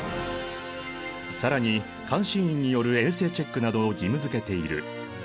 更に監視員による衛生チェックなどを義務づけている。